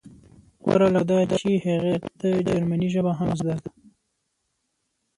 غوره لا دا چې هغې ته جرمني ژبه هم زده ده